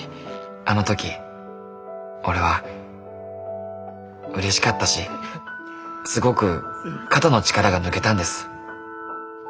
「あの時俺は嬉しかったしすごく肩の力が抜けたんです。